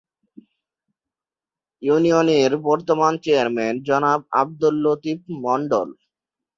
ইউনিয়নের বর্তমান চেয়ারম্যান জনাব আব্দুল লতিফ মণ্ডল।